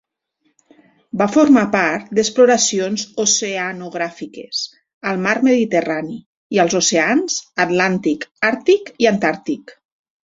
Va formar part d'exploracions oceanogràfiques al mar Mediterrani i als oceans Atlàntic, Àrtic i Antàrtic.